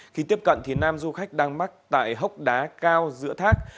khi tiếp cận thì nam du khách đang mắc tại hốc đá cao giữa thác